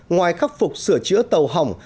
ngoài khắc phục sửa chữa tàu hỏng